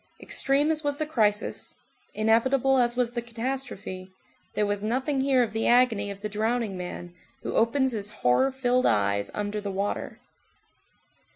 Extreme as was the crisis, inevitable as was the catastrophe, there was nothing here of the agony of the drowning man, who opens his horror filled eyes under the water.